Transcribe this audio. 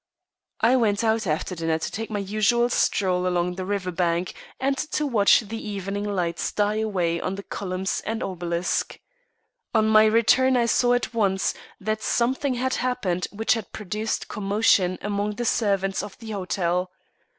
I went out after dinner, to take my usual stroll along the river bank, and to watch the evening lights die away on the columns and obelisk. On my return I saw at once that something had happened which had produced commotion among the servants of the hotel.